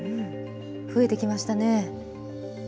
増えてきましたね。